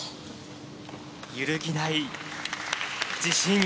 揺るぎない自信。